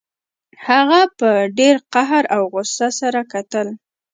هغه په ډیر قهر او غوسه سره کتل